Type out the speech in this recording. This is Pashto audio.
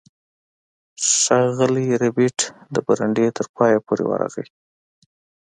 ښاغلی ربیټ د برنډې تر پایه پورې ورغی